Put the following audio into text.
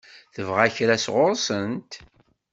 Tebɣa kra sɣur-sent?